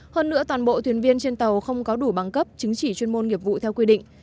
hơn nữa toàn bộ thuyền viên trên tàu không có đủ bằng cấp chứng chỉ chuyên môn nghiệp vụ theo quy định